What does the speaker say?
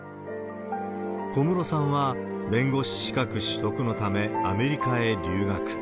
小室さんは弁護士資格取得のため、アメリカへ留学。